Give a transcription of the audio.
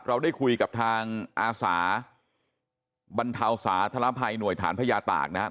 เราได้คุยกับทางอาสาบรรเทาสาธารณภัยหน่วยฐานพญาตากนะครับ